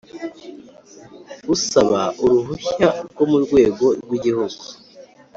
Usaba uruhushya rwo mu rwego rw Igihugu